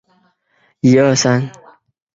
徐擎出道于武汉光谷俱乐部。